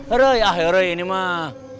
heroi ah heroi ini mah